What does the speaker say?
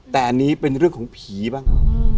แต่อันนี้เป็นเรื่องของผีบ้าง